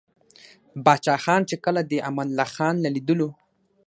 پاچاخان ،چې کله دې امان الله خان له ليدلو o